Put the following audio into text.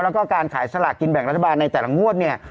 แล้วก็การขายสลากกินแบ่งรัฐบาลในแต่ละงวดเนี่ย